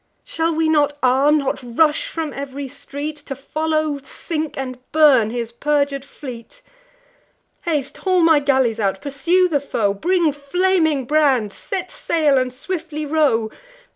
Shall we not arm? not rush from ev'ry street, To follow, sink, and burn his perjur'd fleet? Haste, haul my galleys out! pursue the foe! Bring flaming brands! set sail, and swiftly row!